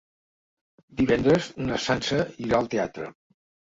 Divendres na Sança irà al teatre.